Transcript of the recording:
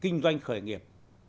kinh doanh khởi nghiệp